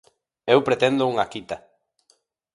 Eu pretendo unha quita.